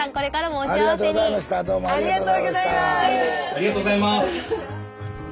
ありがとうございます。